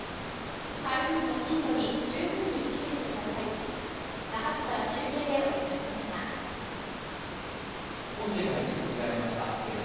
台風の進路に十分に注意してください。